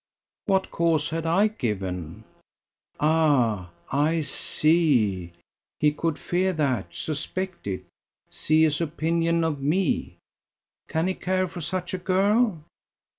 "What cause had I given ... Ah I see! He could fear that; suspect it! See his opinion of me! Can he care for such a girl?